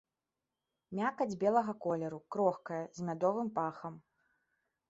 Мякаць белага колеру, крохкая, з мядовым пахам.